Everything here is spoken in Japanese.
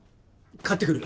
買ってくる。